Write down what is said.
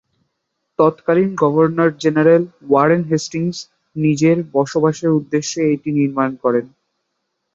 তৎকালীন governor general Warren Hastings নিজের বসবাসের উদ্দেশ্যে এটি নির্মাণ করেন।